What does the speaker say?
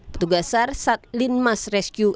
petugas sar sat lin mas rescue